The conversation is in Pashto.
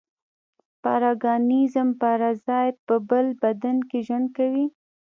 پارګانېزم پارازیت په بل بدن کې ژوند کوي.